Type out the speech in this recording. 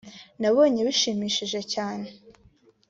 nabonye bishimishije cyane